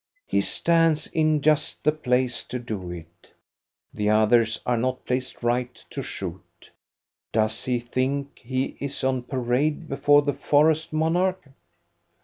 He stands in just the place to do it. The others are not placed right to shoot. Does he think he is on parade before the forest monarch